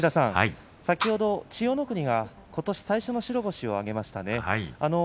先ほど千代の国がことし最初の白星を挙げましたね。